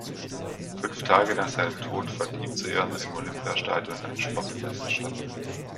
Fünf Tage nach seinem Tod fand ihm zu Ehren im Olympiastadion ein Sportfest statt.